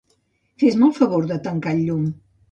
Fes-me el favor de tancar el llum.